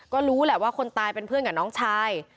ก็รู้แหละว่าคนตายเป็นเพื่อนกับน้องชาย